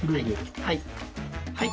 はい。